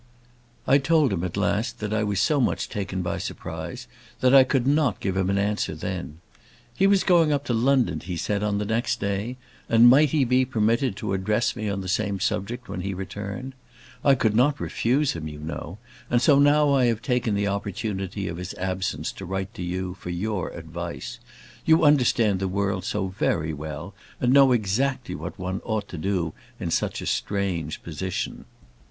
I told him, at last, that I was so much taken by surprise that I could not give him an answer then. He was going up to London, he said, on the next day, and might he be permitted to address me on the same subject when he returned? I could not refuse him, you know; and so now I have taken the opportunity of his absence to write to you for your advice. You understand the world so very well, and know so exactly what one ought to do in such a strange position!